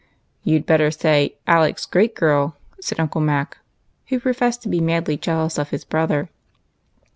"You'd better say Alec's great girl," said Uncle Mac, who professed to be madly jealous of his brother.